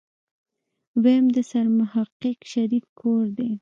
ويم د سرمحقق شريف کور دی.